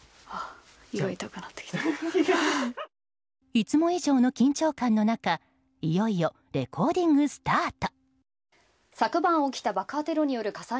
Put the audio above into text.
いつも以上の緊張感の中いよいよレコーディング、スタート。